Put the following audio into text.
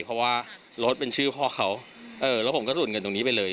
เพราะว่ารถเป็นชื่อพ่อเขาแล้วผมก็สูดเงินตรงนี้ไปเลย